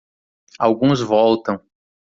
Alguns voltam.